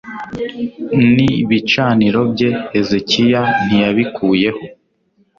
n ibicaniro bye hezekiya ntiyabikuyeho